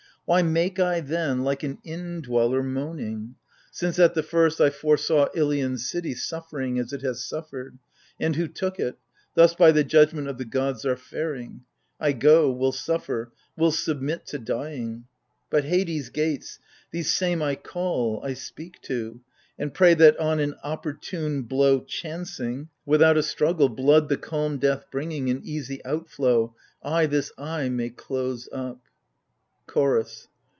Why make I then, like an indweller, moaning ? Since at the first I foresaw Ilion's city Suffering as it has suffered : and who took it, Thus by the judgment of the gods are faring. I go, will suffer, will submit to dying ! But, Hades' gates — these same I call, I speak to. And pray that on an opportune blow chancing. no AGAMEMNON. Without a struggle, — blood the calm death bringing In easy outflow, — I this eye may close up ! CHORDS.